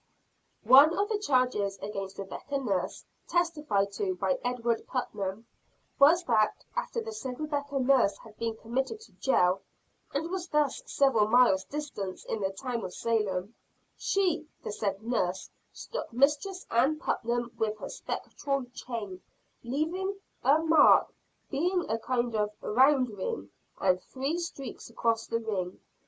One of the charges against Rebecca Nurse, testified to by Edward Putnam, was that, after the said Rebecca Nurse had been committed to jail, and was thus several miles distant in the town of Salem, "she, the said Nurse, struck Mistress Ann Putnam with her spectral chain, leaving a mark, being a kind of round ring, and three streaks across the ring.